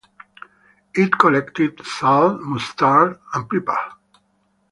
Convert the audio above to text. I collected salt, mustard, and pepper.